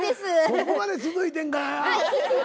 ここまで続いてんから。